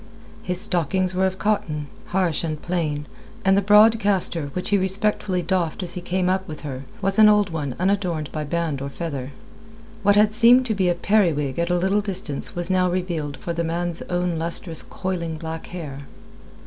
His stockings were of cotton, harsh and plain, and the broad castor, which he respectfully doffed as he came up with her, was an old one unadorned by band or feather. What had seemed to be a periwig at a little distance was now revealed for the man's own lustrous coiling black hair.